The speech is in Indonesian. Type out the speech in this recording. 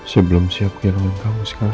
sebelum siap kehilangan kamu sekarang